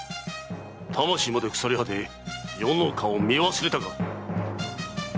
魂まで腐り果て余の顔を見忘れたか！